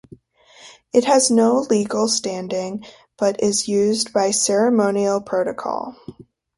It has no legal standing but is used by ceremonial protocol.